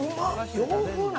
洋風なん？